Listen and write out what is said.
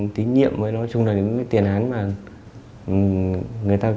tín nhiệm với nói chung là những cái tiền án mà